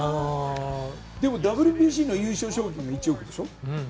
でも、ＷＢＣの優勝賞金が１億でしょ。